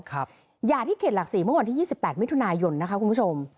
ยาที่เขตหลักศรีเมื่อวันที่๒๘มิถุนายนนะคะคุณผู้ชม